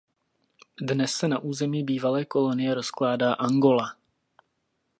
Dnes se na území bývalé kolonie rozkládá Angola.